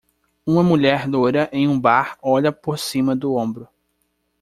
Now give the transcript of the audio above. Uma mulher loira em um bar olha por cima do ombro.